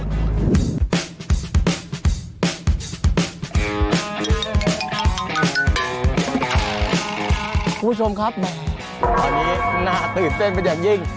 คุณผู้ชมครับแหมตอนนี้น่าตื่นเต้นเป็นอย่างยิ่ง